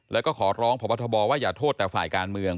แล้วก็ขอร้องพบทบว่าอย่าโทษแต่ฝ่ายการเมือง